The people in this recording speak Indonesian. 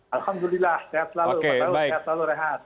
alhamdulillah sehat selalu pak saud sehat selalu rehat